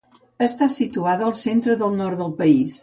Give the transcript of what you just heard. Està situada al centre del nord del país.